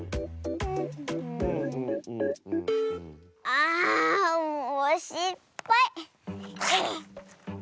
あもうしっぱい！